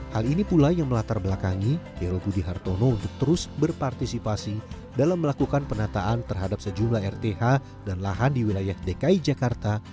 hal ini pula yang melatar belakangi hero budi hartono untuk terus berpartisipasi dalam melakukan penataan terhadap sejumlah rth dan lahan di wilayah dki jakarta